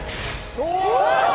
お！